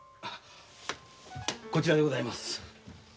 こちらでございます。